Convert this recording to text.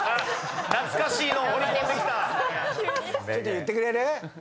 ちょっと言ってくれる？